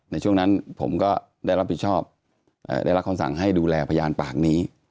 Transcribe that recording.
ในช่วงนั้นผมก็ได้รับผิดชอบได้รับคำสั่งให้ดูแลพยานปากนี้